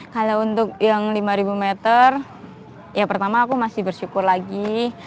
kalau untuk yang lima ribu meter ya pertama aku masih bersyukur lagi